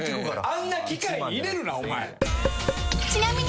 あんな機械に入れるなお前。